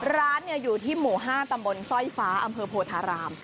ร้านอยู่ที่หมู่๕ตำบลสร้อยฟ้าอำเภอโพธาราม